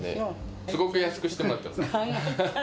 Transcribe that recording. すごく安くしてもらってます。